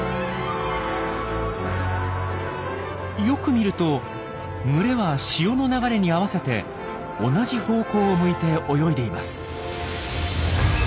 よく見ると群れは潮の流れに合わせて同じ方向を向いて泳いでいます。